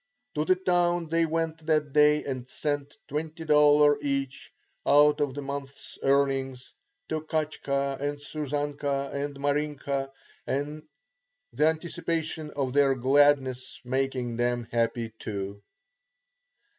To the town they went that day and sent $20 each, out of the month's earnings, to Katshka and Susanka and Marinka, the anticipation of their gladness making them happy too.